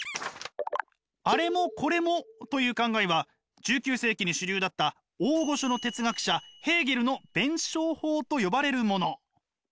「あれもこれも」という考えは１９世紀に主流だった大御所の哲学者ヘーゲルの弁証法と呼ばれるもの。